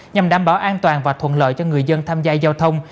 nhằm đảm bảo an toàn và thuận lợi cho người dân tham gia giao thông